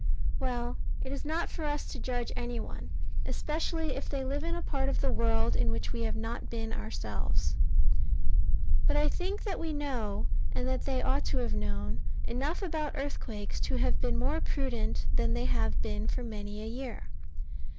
Well it is not for us to judge any one, especially if they live in a part of the world in which we have not been ourselves. But I think that we know, and that they ought to have known, enough about earthquakes to have been more prudent than they have been for many a year.